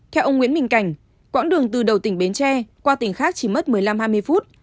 theo ông nguyễn minh cảnh quãng đường từ đầu tỉnh bến tre qua tỉnh khác chỉ mất một mươi năm hai mươi phút